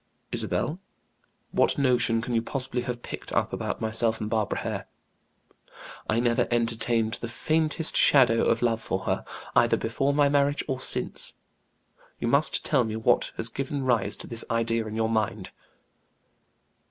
"Isabel, what notion can you possibly have picked up about myself and Barbara Hare; I never entertained the faintest shadow of love for her, either before my marriage or since. You must tell me what has given rise to this idea in your mind."